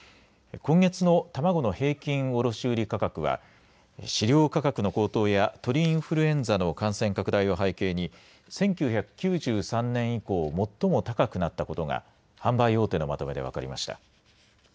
今月の卵の平均卸売価格は飼料価格の高騰や鳥インフルエンザの感染拡大を背景に１９９３年以降、最も高くなったことが販売大手のまとめで分かりました。